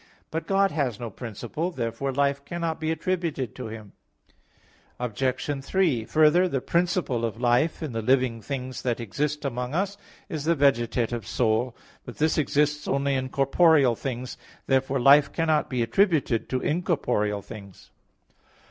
But God has no principle. Therefore life cannot be attributed to Him. Obj. 3: Further, the principle of life in the living things that exist among us is the vegetative soul. But this exists only in corporeal things. Therefore life cannot be attributed to incorporeal things.